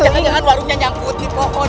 jangan jangan warungnya nyangkut di pohon